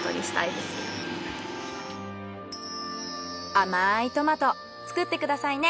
甘いトマト作ってくださいね。